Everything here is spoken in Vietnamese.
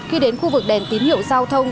khi đến khu vực đèn tín hiệu giao thông